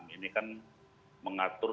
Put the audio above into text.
ini kan mengatur